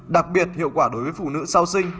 đặc biệt hiệu quả đối với phụ nữ sau sinh